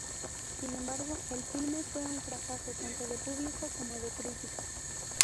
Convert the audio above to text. Sin embargo, el filme fue un fracaso tanto de público como de crítica.